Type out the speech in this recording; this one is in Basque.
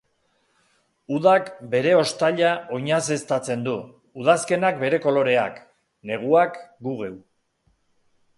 Udak bere hostaila oinazeztatzen du, udazkenak bere koloreak, neguak gu geu.